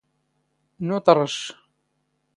ⵏⵓⵜ ⵕⵕⵛⵛ.